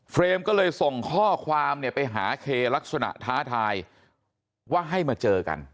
ก็เลยส่งข้อความเนี่ยไปหาเคลักษณะท้าทายว่าให้มาเจอกัน